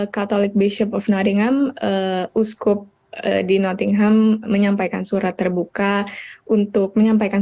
katolic bishop of nottingham uskup di nottingham menyampaikan surat terbuka untuk menyampaikan